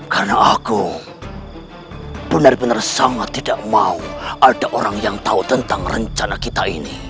karena aku benar benar sangat tidak mau ada orang yang tahu tentang rencana kita ini